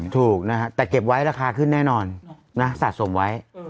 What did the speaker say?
ถูกนะฮะแต่เก็บไว้ราคาขึ้นแน่นอนนะสะสมไว้